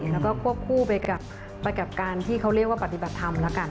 แล้วก็ควบคู่ไปกับการที่เขาเรียกว่าปฏิบัติธรรมแล้วกัน